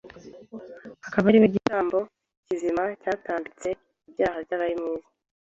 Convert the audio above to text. akaba ari we gitambo kizima cyatambitse ibyaha by'abari mu isi